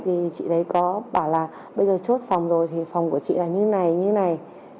thì chị đấy có bảo là bây giờ chốt phòng rồi thì phòng của chị là như thế này như thế này